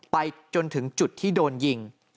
ไปจนถึงจุดที่โดนยิง